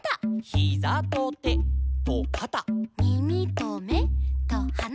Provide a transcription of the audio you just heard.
「ヒザとてとかた」「みみとめとはな」